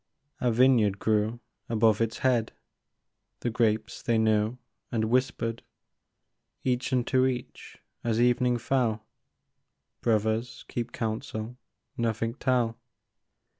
A vineyard grew above its head ; The grapes they knew, and whispered Each unto each, as evening fell : Brothers, keep counsel, nothing tell